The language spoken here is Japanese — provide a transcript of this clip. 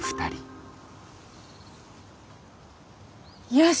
よし！